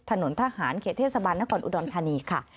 ถนนทหารเขตเทศบาลนครอุดรธานีค่ะ